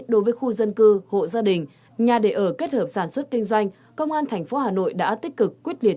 đối với khu dân cư hộ gia đình nhà đề ở kết hợp sản xuất kinh doanh công an tp hà nội đã tích cực quyết liệt